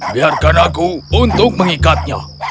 biarkan aku untuk mengikatnya